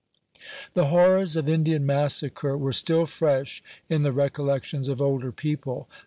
The horrors of Indian massacre were still fresh in the recollections of older people.